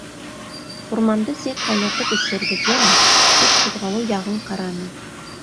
Урманда сәй ҡайнатып эсербеҙ, йәме, -тип ҡуҙғалыу яғын ҡараны.